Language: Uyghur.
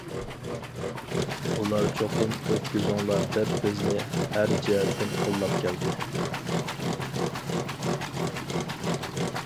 ئۇلار چوقۇم ئۆتكۈزۈڭلار دەپ بىزنى ھەر جەھەتتىن قوللاپ كەلدى.